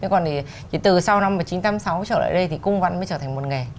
còn chỉ từ sau năm một nghìn chín trăm tám mươi sáu trở lại đây thì cung văn mới trở thành một nghề